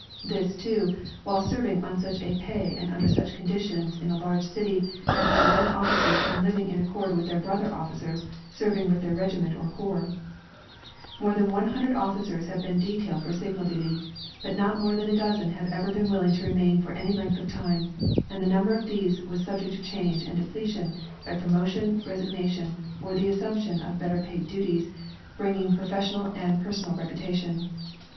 This, too, while serving on such a pay and under such conditions in a large cit}' as to prevent officers from living in accord with their brother officers serving with their regiment or corps. More than one hundred officers have been detailed for signal duty, but not more than a dozen have ever been willing to remain for any length of time, and the number of these was subject to change and depletion by promotion, resig nation, or the assumption of l^etter paid duties 1)ringing profes 14— Nat. Gkoo. Mao , vor. TV, 1802. 94 General A. \V. Greely — Geograpliij of the Air. sional and pergonal reputation.